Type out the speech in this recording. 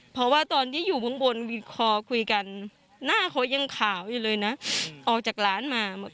เพราะว่าตอนที่อยู่ข้างบนวิคอคุยกันหน้าเขายังขาวอยู่เลยนะออกจากร้านมา